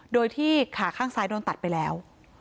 โดยที่ขาข้างซ้ายโดนตัดไปแล้ว